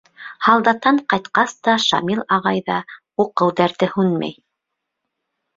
Һалдаттан ҡайтҡас та Шамил ағайҙа уҡыу дәрте һүнмәй.